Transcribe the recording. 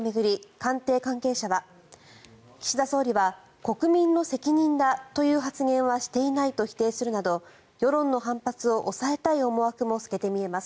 官邸関係者は岸田総理は国民の責任だという発言はしていないと否定するなど世論の反発を抑えたい狙いも透けて見えます。